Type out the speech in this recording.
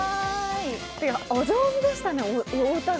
お上手でしたね、お歌が。